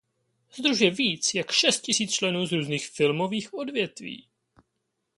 Sdružuje víc jak šest tisíc členů z různých filmových odvětví.